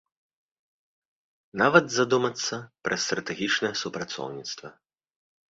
Нават задумацца пра стратэгічнае супрацоўніцтва.